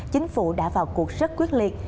chính phủ đã vào cuộc rất quyết liệt